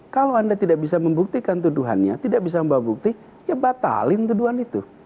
kalau anda tidak bisa membuktikan tuduhannya tidak bisa membawa bukti ya batalin tuduhan itu